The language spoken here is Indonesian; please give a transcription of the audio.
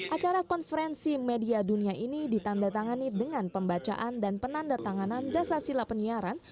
acara konferensi media dunia ini ditandatangani dengan pembacaan dan penandatanganan dasar sila penyiaran